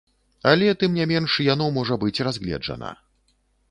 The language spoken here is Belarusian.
Але, тым не менш, яно можа быць разгледжана.